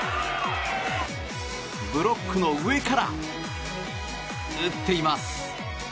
ブロックの上から打っています。